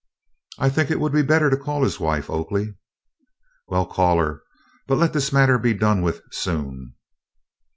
"I think it would be better to call his wife, Oakley." "Well, call her, but let this matter be done with soon."